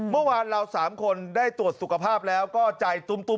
เมื่อวานเรา๓คนได้ตรวจสุขภาพแล้วก็ใจตุ้ม